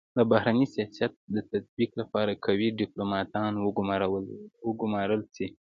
د بهرني سیاست د تطبیق لپاره قوي ډيپلوماتان و ګمارل سي.